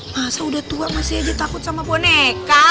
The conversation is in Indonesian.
masa udah tua masih aja takut sama boneka